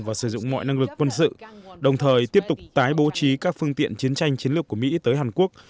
và sử dụng mọi năng lực quân sự đồng thời tiếp tục tái bố trí các phương tiện chiến tranh chiến lược của mỹ tới hàn quốc